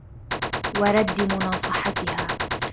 وَرَدِّ مُنَاصَحَتِهَا